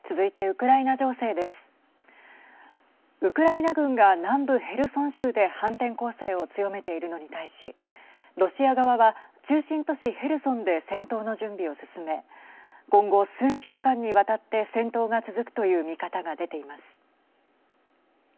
ウクライナ軍が南部ヘルソン州で反転攻勢を強めているのに対しロシア側は中心都市ヘルソンで戦闘の準備を進め今後数週間にわたって戦闘が続くという見方が出ています。